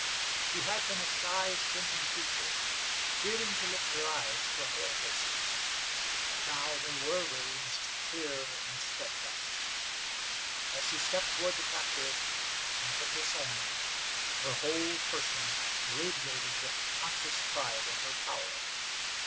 She had been a shy, shrinking creature, fearing to lift her eyes to a paleface's, but now they were raised clear and steadfast. As she stepped toward the captive and took his hand, her whole person radiated with conscious pride in her power.